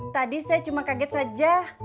tadi saya cuma kaget saja